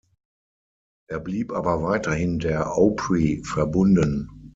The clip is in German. Er blieb aber weiterhin der Opry verbunden.